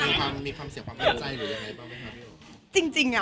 จริงมีความเสียใจแล้วหรือยังไง